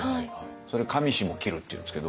それ「上下を切る」っていうんですけど。